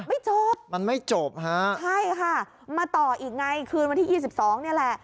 ไม่จบมันไม่จบฮะใช่ค่ะมาต่ออีกไงคืนวันที่ยี่สิบสองนี่แหละ